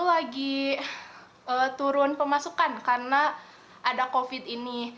lagi turun pemasukan karena ada covid ini